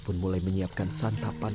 karos mulai menyiapkan santapan